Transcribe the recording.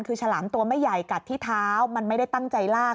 คือฉลามตัวไม่ใหญ่กัดที่เท้ามันไม่ได้ตั้งใจลาก